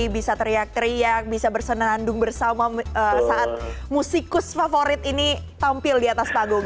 bisa teriak teriak bisa bersenandung bersama saat musikus favorit ini tampil di atas panggung